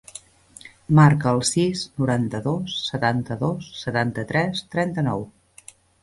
Marca el sis, noranta-dos, setanta-dos, setanta-tres, trenta-nou.